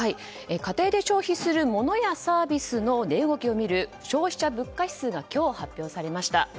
家庭で消費するモノやサービスの値動きを見る消費者物価指数が今日、発表されました。